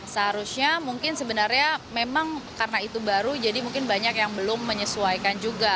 seharusnya mungkin sebenarnya memang karena itu baru jadi mungkin banyak yang belum menyesuaikan juga